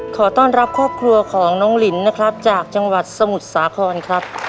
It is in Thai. ขอตอบครอบครัวของน้องฤนย์นะครับจากจังหวัดสมุดสาขอนครับ